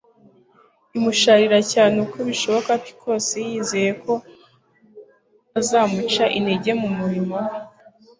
imusharirira cyane uko bishoboka kose yizeye ko azamuca intege mu murimo We.